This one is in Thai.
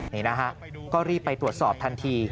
นี่นะฮะก็รีบไปตรวจสอบทันที